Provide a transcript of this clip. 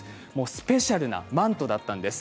スペシャルなマントだったんです。